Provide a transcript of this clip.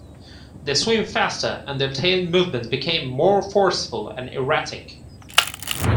They swim faster and their tail movements become more forceful and erratic.